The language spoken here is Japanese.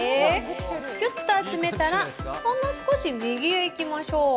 きゅっと集めたら、ほんの少し右へ行きましょう。